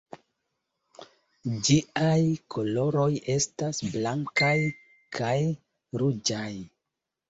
Ĝiaj koloroj estas blankaj kaj ruĝaj.